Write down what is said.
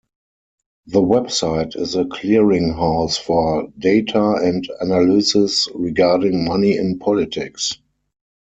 The website is a clearinghouse for data and analysis regarding money in politics.